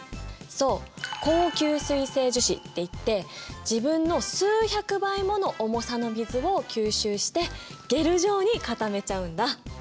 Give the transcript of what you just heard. そう高吸水性樹脂っていって自分の数百倍もの重さの水を吸収してゲル状に固めちゃうんだ。